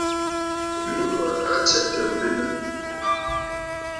Mu wa a tsɛ̂tə̀ m̀benə.